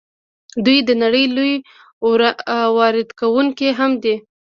دوی د نړۍ لوی واردونکی هم دي.